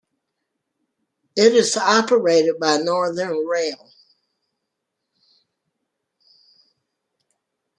It is operated by Northern Rail.